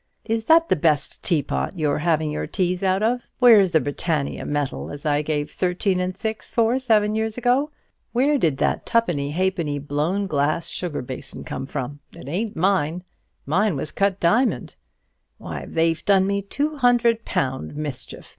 "Is that the best teapot you're a having your teas out of? Where's the Britannia metal as I gave thirteen and six for seven year ago? Where did that twopenny halfpenny blown glass sugar basin come from? It ain't mine; mine was di'mond cut. Why, they've done me two hundred pound mischief.